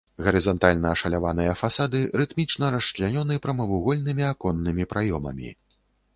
Гарызантальна ашаляваныя фасады рытмічна расчлянёны прамавугольнымі аконнымі праёмамі.